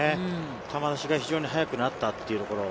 球出しが非常に速くなったというところ。